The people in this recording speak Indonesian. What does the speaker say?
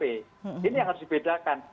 ini yang harus dibedakan